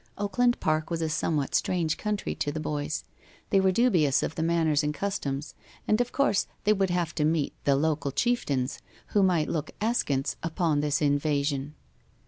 Oakland Park was a somewhat strange country to the boys. They were dubious of the manners and customs, and of course they would have to meet the local chieftains, who might look askance upon this invasion.